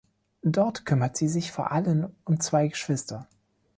Dort kümmert sie sich vor allem um zwei Geschwister.